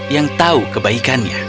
yang tahu kebaikannya